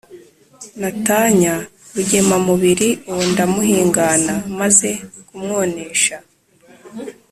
Natanya Rugemamubili uwo ndamuhingana maze kumwonesha,